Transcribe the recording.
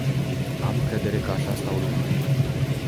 Am încredere că așa stau lucrurile.